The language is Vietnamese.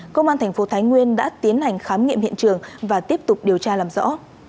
công an thành phố thái nguyên đã tiến hành khám nghiệm hiện trường và tiếp tục điều tra làm rõ